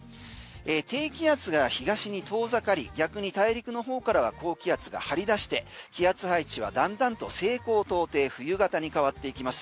低気圧が東に遠ざかり逆に大陸の方からは高気圧が張り出して気圧配置はだんだんと西高東低冬型に変わっていきます。